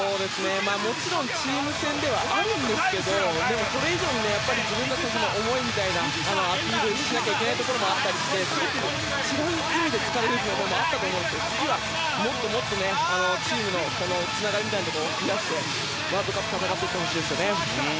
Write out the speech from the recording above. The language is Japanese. もちろんチーム戦ではあるんですがそれ以上に自分たちの思いみたいなものをアピールしなきゃいけないところもあったりしてすごく違う意味で疲れる部分もあったと思いますが次はもっともっとチームのつながりみたいなものを増やしてワールドカップを戦ってほしいです。